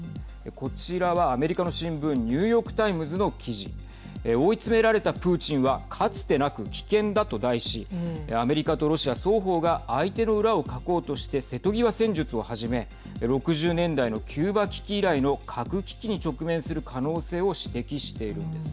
こちらは、アメリカの新聞ニューヨークタイムズの記事追い詰められたプーチンはかつてなく危険だと題しアメリカとロシア双方が相手の裏をかこうとして瀬戸際戦術をはじめ６０年代のキューバ危機以来の核危機に直面する可能性を指摘しているんです。